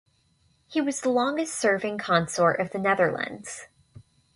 He was the longest serving consort of the Netherlands.